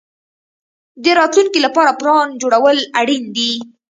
د راتلونکي لپاره پلان جوړول اړین دي.